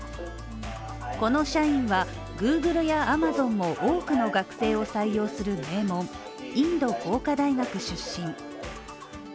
この社員は、Ｇｏｏｇｌｅやアマゾンも多くの学生を採用する名門、インド工科大学出身。